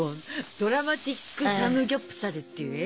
「ドラマティックサムギョプサル」っていう映画。